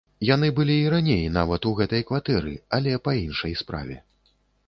Яны былі і раней, нават у гэтай кватэры, але па іншай справе.